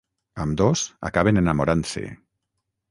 Ambdós acaben enamorant-se.